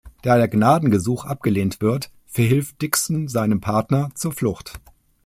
Da der Gnadengesuch abgelehnt wird, verhilft Dixon seinem Partner zur Flucht.